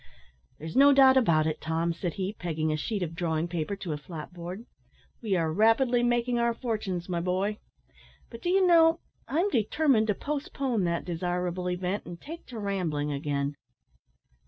"There's no doubt about it, Tom," said he, pegging a sheet of drawing paper to a flat board, "we are rapidly making our fortunes, my boy; but d'you know, I'm determined to postpone that desirable event, and take to rambling again."